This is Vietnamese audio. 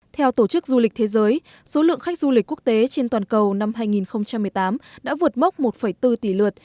theo tổ chức du lịch thế giới số lượng khách du lịch quốc tế trên toàn cầu năm hai nghìn một mươi tám đã vượt mốc một bốn tỷ lượt